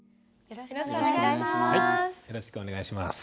よろしくお願いします。